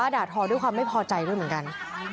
ด่าทอด้วยความไม่พอใจด้วยเหมือนกัน